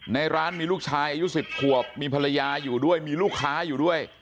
ในร้านมีลูกชายอายุ๑๐ขวบมีภรรยาอยู่ด้วยมีลูกค้าอยู่ด้วย